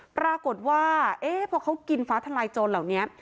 ปรากฏว่าพอเขากินฟ้าทลายโจรเหล่านี้